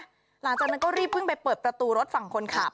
หลังจากนั้นก็รีบเพิ่งไปเปิดประตูรถฝั่งคนขับ